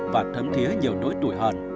và thấm thiế nhiều nỗi tội hận